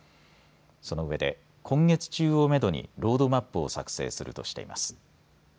そのうえで今月中をめどにロードマップを作成するとしています。